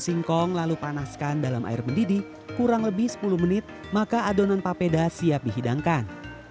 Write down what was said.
singkong lalu panaskan dalam air mendidih kurang lebih sepuluh menit maka adonan papeda siap dihidangkan